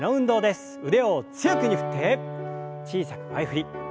腕を強く振って小さく前振り。